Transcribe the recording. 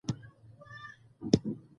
چې په رود کې ولې غالمغال دى؟